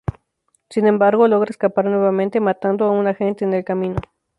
Sin embargo, logra escapar nuevamente matando a un agente en el camino.